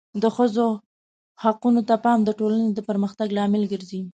د ښځو حقونو ته پام د ټولنې د پرمختګ لامل ګرځي.